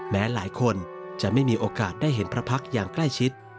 หลายคนจะไม่มีโอกาสได้เห็นพระพักษ์อย่างใกล้ชิด